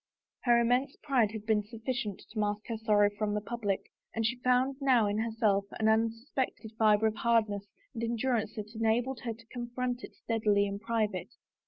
Her immense pride had been suflBcient to mask her sorrow from the public, and she found now in herself an unsuspected fiber of hardness and endurance that enabled her to confront it steadily in private.